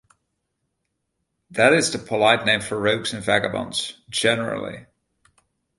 That is the polite name for rogues and vagabonds generally.